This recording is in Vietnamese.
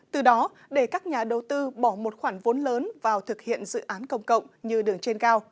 từ đó để các nhà đầu tư bỏ một khoản vốn lớn vào thực hiện dự án công cộng như đường trên cao